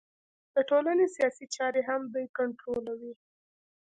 د ټولنې سیاسي چارې هم دوی کنټرولوي